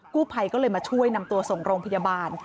กู้ภัยก็เลยมาช่วยนำตัวส่งโรงพยาบาล